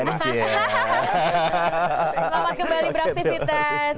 selamat kembali beraktivitas